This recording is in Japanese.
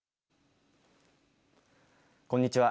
こんにちは。